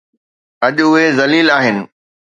اڄ اهي ذليل آهن.